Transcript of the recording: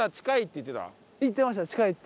言ってました近いって。